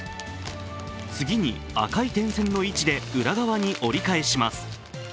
次に、赤い点線の位置で裏側に折り返します。